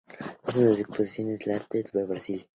Es una de las exponentes del arte naif en Brasil.